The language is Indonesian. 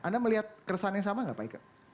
anda melihat keresahan yang sama nggak pak ika